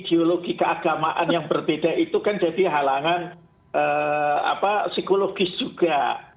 geologi keagamaan yang berbeda itu kan jadi halangan psikologis juga